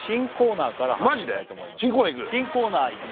新コーナーいく？